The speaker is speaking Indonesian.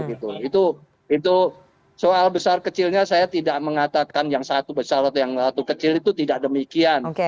itu soal besar kecilnya saya tidak mengatakan yang satu besar atau yang satu kecil itu tidak demikian